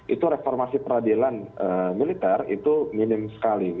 itu reformasi peradilan militer itu minim sekali